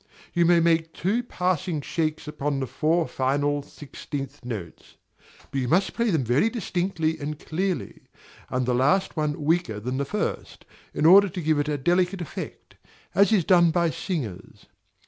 You may make two passing shakes upon the four final sixteenth notes; but you must play them very distinctly and clearly, and the last one weaker than the first, in order to give it a delicate effect, as is done by singers.